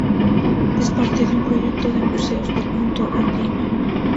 Es parte de un proyecto de museos del mundo andino.